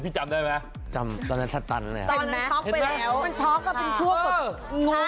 มันช็อคก็เป็นช่วงงจริง